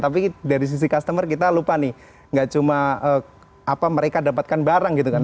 tapi dari sisi customer kita lupa nih gak cuma mereka dapatkan barang gitu kan